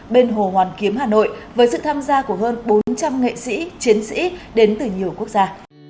bên hồ hoàn kiếm hà nội với sự tham gia của hơn bốn trăm linh nghệ sĩ chiến sĩ đến từ nhiều quốc gia